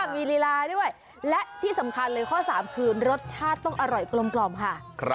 มีลีลาด้วยและที่สำคัญเลยข้อ๓คือรสชาติต้องอร่อยกลมค่ะ